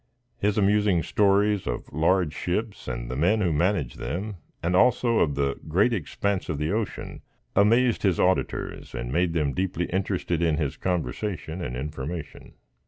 His amusing stories of large ships and the men who managed them, and also, of the great expanse of the ocean, amazed his auditors and made them deeply interested in his conversation and information.